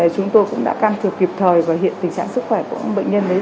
chúng tôi cũng đã can thiệp kịp thời và hiện tình trạng sức khỏe của bệnh nhân đấy